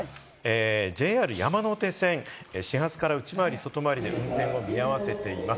ＪＲ山手線、始発から内回り・外回り運転を見合わせています。